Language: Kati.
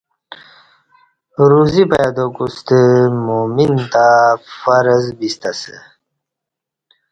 روزی پیدا کوستہ مؤمن تہ فرض بیستہ اسہ